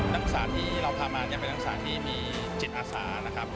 นักศึกษาที่เราพามายังเป็นนักศึกษาที่มีจิตอาสา